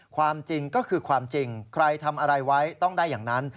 ความจริงก็คือความจริงใครทำอะไรไว้ต้องได้อย่างนั้น